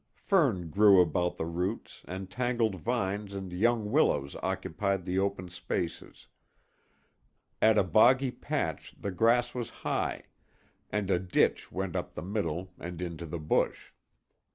Fern grew about the roots, and tangled vines and young willows occupied the open spaces. At a boggy patch the grass was high, and a ditch went up the middle and into the bush.